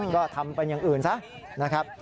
ก็ทำเป็นอย่างอื่นซะนะครับ